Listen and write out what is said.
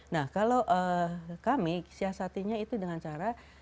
nah kalau kami siasatinya itu dengan cara